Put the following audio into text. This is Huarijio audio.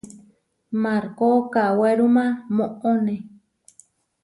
Markó kawéruma moʼoné.